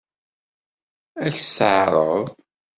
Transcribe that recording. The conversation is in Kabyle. Ad k-tt-teɛṛeḍ?